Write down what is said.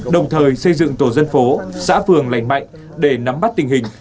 đồng thời xây dựng tổ dân phố xã phường lành mạnh để nắm bắt tình hình